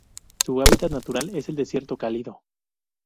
Su hábitat natural es el desierto cálido.